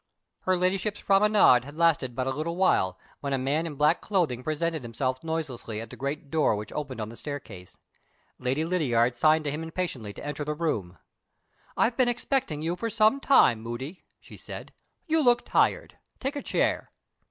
Her Ladyship's promenade had lasted but a little while, when a man in black clothing presented himself noiselessly at the great door which opened on the staircase. Lady Lydiard signed to him impatiently to enter the room. "I have been expecting you for some time, Moody," she said. "You look tired. Take a chair."